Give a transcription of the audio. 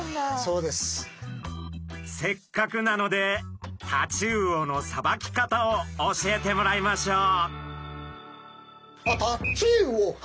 せっかくなのでタチウオのさばき方を教えてもらいましょう。